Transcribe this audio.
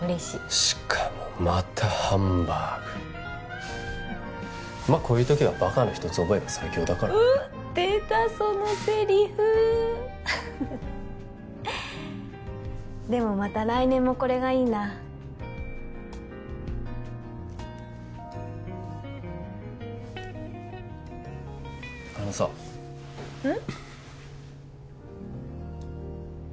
しかもまたハンバーグまっこういう時はバカの一つ覚えが最強だから出たそのセリフでもまた来年もこれがいいなあのさうん？